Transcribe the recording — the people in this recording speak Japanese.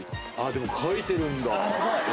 でも書いてるんだ。